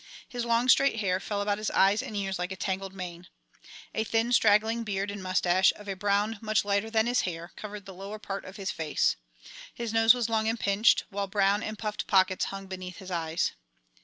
His long straight hair fell about his eyes and ears like a tangled mane. A thin straggling beard and moustache, of a brown much lighter than his hair, covered the lower part of his face. His nose was long and pinched, while brown and puffed pockets hung beneath his eyes.